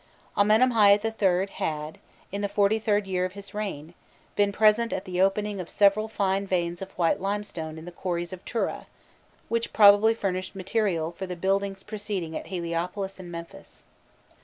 Amenemhâît III. had, in the XLIIIrd year of his reign, been present at the opening of several fine veins of white limestone in the quarries of Turah, which probably furnished material for the buildings proceeding at Heliopolis and Memphis.